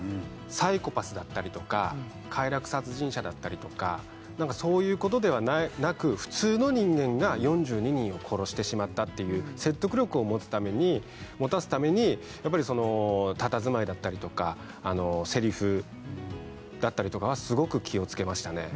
サイコパスだったりとか快楽殺人者だったりとか何かそういうことではなく普通の人間が４２人を殺してしまったっていう説得力を持つために持たすためにやっぱりそのたたずまいだったりとかセリフだったりとかはすごく気をつけましたね